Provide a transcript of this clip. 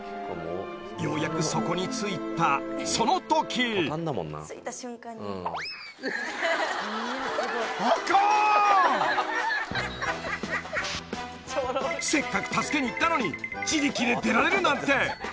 ようやく底に着いたその時せっかく助けに行ったのに自力で出られるなんて！